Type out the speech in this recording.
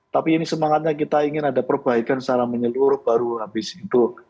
tapi ini semangatnya kita ingin ada perbaikan secara menyeluruh baru habis itu